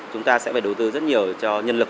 chúng ta sẽ phải đầu tư rất nhiều cho nhân lực